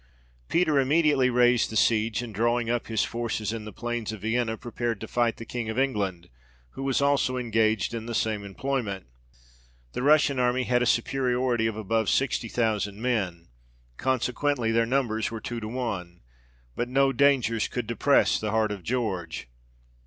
Peter immediately raised the siege, and, drawing up his forces in the plains of Vienna, prepared to fight the King of England, who was also engaged in the same employment. The Russian army had a superiority of above sixty thousand men, consequently their numbers were two to one ; but no dangers could depress the heart of George.